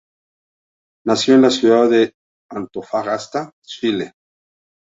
Nació en la ciudad de Antofagasta, Chile.